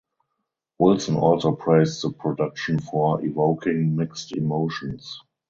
Wilson also praised the production for evoking "mixed emotions".